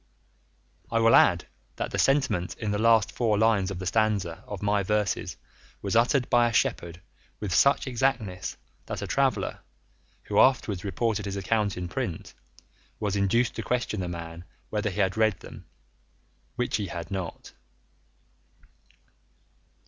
I will add that the sentiment in the last four lines of the last stanza of my verses was uttered by a shepherd with such exactness, that a traveller, who afterwards reported his account in print, was induced to question the man whether he had read them, which he had not.